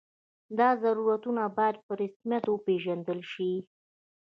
دا ضرورتونه باید په رسمیت وپېژندل شي.